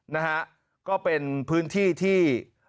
นะฮะก็เป็นพื้นที่ที่